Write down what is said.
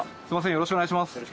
よろしくお願いします。